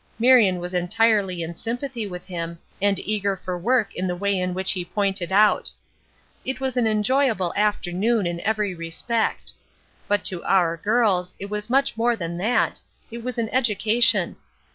Marion was entirely in sympathy with him, and eager for work in the way in which he pointed out. It was an enjoyable afternoon in every respect. But to "our girls" it was much more than that, it was an education.